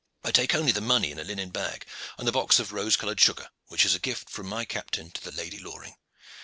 I take only the money in a linen bag, and the box of rose colored sugar which is a gift from my captain to the Lady Loring.